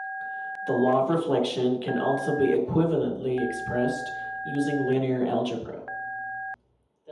The law of reflection can also be equivalently expressed using linear algebra.